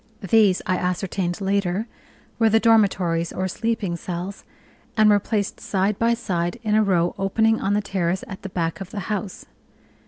These, I ascertained later, were the dormitories, or sleeping cells, and were placed side by side in a row opening on the terrace at the back of the house.